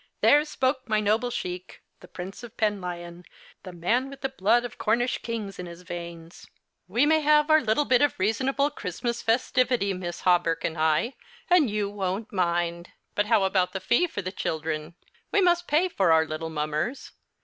There spoke my noble Sheik — the Prince of Penlyon — the man with the blood of Cornish kings in his veins. We may have our little bit of reasonable Christmas festivity. Miss Hawberk and I, The Christmas Hirelings. 31 and you won't mind. But how about the fee tor the children ? We must pay for our little mummers.